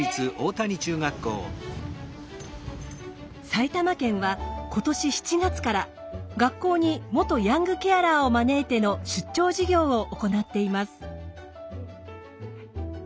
埼玉県は今年７月から学校に元ヤングケアラーを招いての出張授業を行っています。